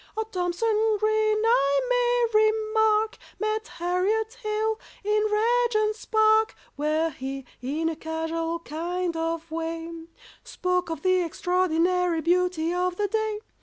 Oh, THOMSON GREEN, I may remark, Met HARRIET HALE in Regent's Park, Where he, in a casual kind of way, Spoke of the extraordinary beauty of the day.